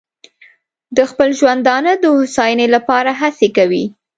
د خپل ژوندانه د هوساینې لپاره هڅې کوي.